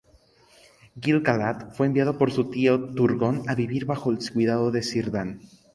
Gil-Galad fue enviado por su tío Turgon a vivir bajo el cuidado de Círdan.